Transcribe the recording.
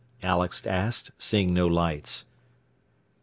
Alex asked, seeing no lights.